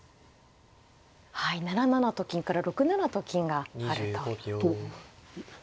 はい７七と金から６七と金があると。